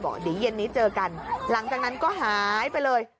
บอกเดี๋ยวเย็นนี้เจอกันหลังจากนั้นก็หายไปเลย